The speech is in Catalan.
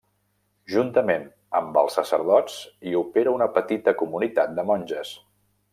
Juntament amb els sacerdots hi opera una petita comunitat de monges.